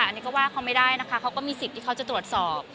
อันนี้ก็ว่าเขาไม่ได้นะคะเขาก็มีสิทธิ์ที่เขาจะตรวจสอบ